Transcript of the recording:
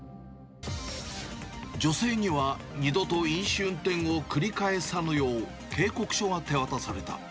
女性には、二度と飲酒運転を繰り返さぬよう、警告書が手渡された。